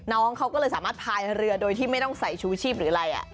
น้องเขาก็เลยสามารถพายเรือโดยที่ไม่ต้องใส่ชูชีพหรืออะไร